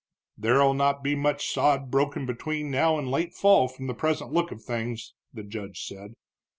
"There'll not be much sod broken between now and late fall, from the present look of things," the judge said.